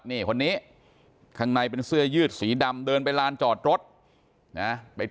นี่คนนี้ข้างในเป็นเสื้อยืดสีดำเดินไปลานจอดรถนะไป